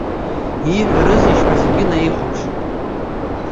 Ииҳәарызеишь ҳәа зегь наихәаԥшит.